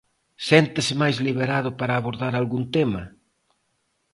Séntese máis liberado para abordar algún tema?